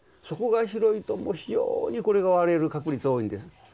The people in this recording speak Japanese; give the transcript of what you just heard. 底が広いと非常にこれが割れる確率多いんです。